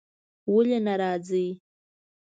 ولی نه راځی ؟